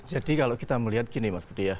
jadi kalau kita melihat gini mas budi ya